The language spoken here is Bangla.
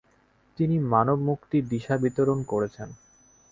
তিনি মানব মুক্তির দিশা বিতরণ করেছেন।